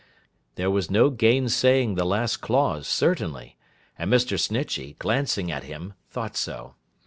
There was no gainsaying the last clause, certainly; and Mr. Snitchey, glancing at him, thought so.